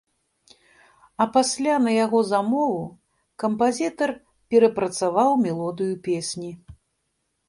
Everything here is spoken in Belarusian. А пасля на яго замову кампазітар перапрацаваў мелодыю песні.